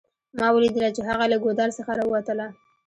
ما ولیدله چې هغه له ګودال څخه راووتله